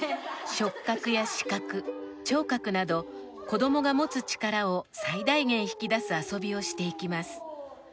触覚や視覚聴覚など子どもが持つ力を最大限引き出す遊びをしていきます。